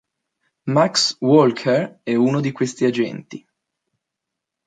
Max Walker è uno di questi agenti.